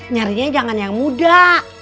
nyarinya jangan yang muda